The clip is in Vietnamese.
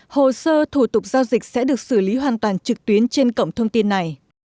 hồ sơ thủ tục giao dịch sẽ được xử lý hoàn toàn trực tuyến trên cổng thông tin này